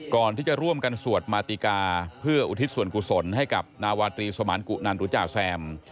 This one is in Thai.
ก่อนที่จะร่วมกันสวดมาติกาเพื่ออุทิศส่วนกุศลให้กับนาวาตรีสมานกุนันหรือจ่าแซม